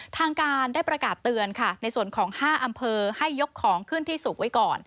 ทางการได้ประกาศเตือนค่ะในส่วนของ๕อำเภอให้ยกของขึ้นที่สูงไว้ก่อน